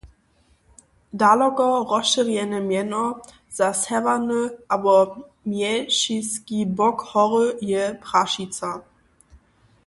Daloko rozšěrjene mjeno za sewjerny abo Mješiski bok hory je Prašica.